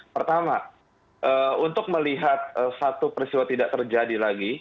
pertama untuk melihat satu peristiwa tidak terjadi lagi